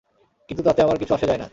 কিন্তু তাতে আমার কিছু আসে যায় না।